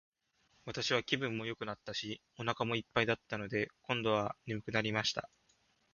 私は気分もよくなったし、お腹も一ぱいだったので、今度は睡くなりました。